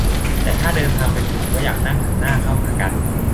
- แต่ถ้าเดินทางเป็นกลุ่ม ก็อยากนั่งหันหน้าเข้าหากัน